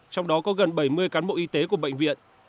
trong đó có gần bảy mươi cán bộ y tế của bệnh viện